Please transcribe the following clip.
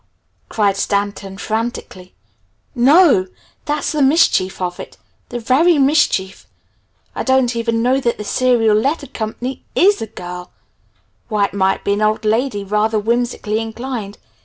cried Stanton frantically. "N O! That's the mischief of it the very mischief! I don't even know that the Serial Letter Co. is a girl. Why it might be an old lady, rather whimsically inclined.